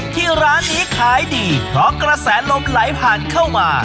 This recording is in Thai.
ที่ร้านนี้ขายดีเพราะกระแสลมไหลผ่านเข้ามา